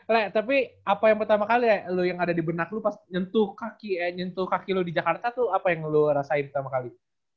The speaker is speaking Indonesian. lea tapi apa yang pertama kali ya lu yang ada di benak lu pas nyentuh kaki ya nyentuh kaki lu di jakarta tuh apa yang lu rasain pertama kali